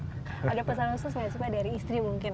ada pesan khusus nggak sih pak dari istri mungkin